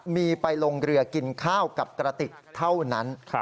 มีไปลงเรือกินข้าวกับกระติกเท่านั้น